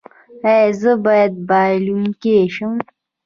ایا زه باید بایلونکی شم؟